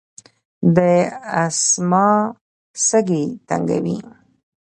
د اسثما سږي تنګوي.